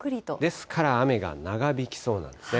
ですから雨が長引きそうなんですね。